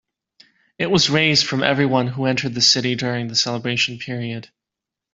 It was raised from everyone who entered the city during the celebration period.